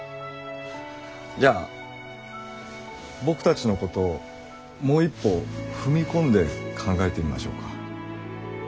じゃあ僕たちのことをもう一歩踏み込んで考えてみましょうか。